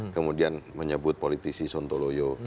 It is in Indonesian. kemudian menyebut politisi sontoloyo